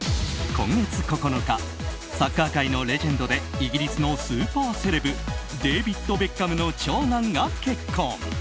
今月９日サッカー界のレジェンドでイギリスのスーパーセレブデービッド・ベッカムの長男が結婚。